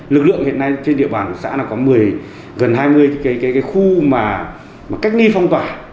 lực lượng hiện nay trên địa bàn của xã là có một mươi gần hai mươi cái khu mà cách ly phong tỏa